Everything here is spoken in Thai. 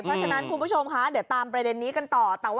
เพราะฉะนั้นคุณผู้ชมคะเดี๋ยวตามประเด็นนี้กันต่อ